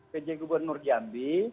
pj gubernur jambi